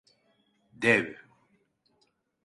Dev…